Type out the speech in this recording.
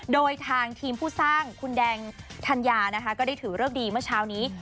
โดยทางทีมผู้สร้างคุณแดงธัญญานะคะก็ได้ถือเลิกดีเมื่อเช้านี้